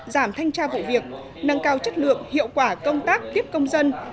giảm thanh tra vụ việc nâng cao chất lượng hiệu quả công tác tiếp công dân